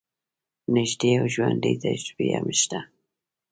نژدې او ژوندۍ تجربې هم شته.